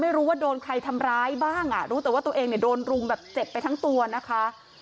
ไม่รู้ว่าโดนใครทำร้ายบ้างอ่ะรู้แต่ว่าตัวเองเนี่ยโดนรุมแบบเจ็บไปทั้งตัวนะคะ